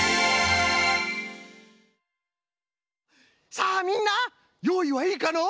さあみんなよういはいいかの？